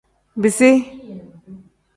Bisi.